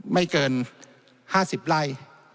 ไม่เกิน๕๐ไร่